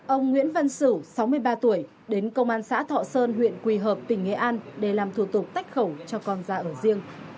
ông nguyễn văn sửu sáu mươi ba tuổi đến công an xã thọ sơn huyện quỳ hợp tỉnh nghệ an để làm thủ tục tách khẩu cho con ra ở riêng